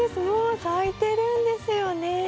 もう咲いてるんですよね。